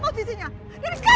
dan sekalian semuanya sekongkol